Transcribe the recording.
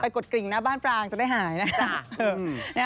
ไปกดกริงหน้าบ้านปรางจะได้หาย